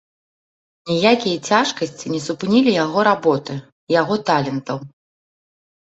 Ніякія цяжкасці не супынілі яго работы, яго талентаў.